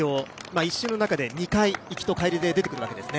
１周の中で２回、行きと帰りで出てくるわけですね。